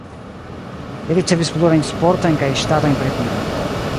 Li ricevis plurajn sportajn kaj ŝtatajn premiojn.